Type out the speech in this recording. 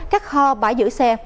các kho bãi giữ xe